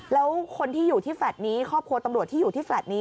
แล้วคนที่อยู่ที่แฟลต์นี้ครอบครัวตำรวจที่อยู่ที่แฟลต์นี้